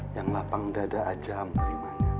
yang lapang dada aja menerimanya